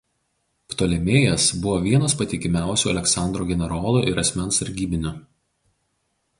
Ptolemėjas buvo vienas patikimiausių Aleksandro generolų ir asmens sargybinių.